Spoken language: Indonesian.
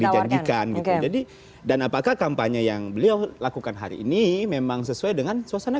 dijanjikan gitu jadi dan apakah kampanye yang beliau lakukan hari ini memang sesuai dengan suasana